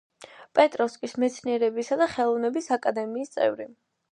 პეტროვსკის მეცნიერებისა და ხელოვნების აკადემიის წევრი.